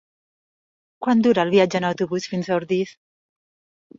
Quant dura el viatge en autobús fins a Ordis?